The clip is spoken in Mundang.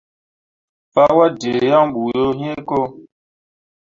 Paa waddǝǝ yaŋ bu yo hĩĩ ko.